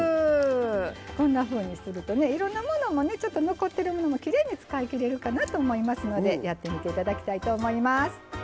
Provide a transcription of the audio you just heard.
こんなふうにするとねいろんなものもねちょっと残ってるものもきれいに使いきれるかなと思いますのでやってみて頂きたいと思います。